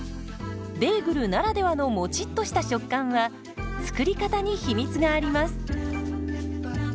ベーグルならではのもちっとした食感は作り方に秘密があります。